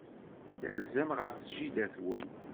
Terzam ɣef jida-twen.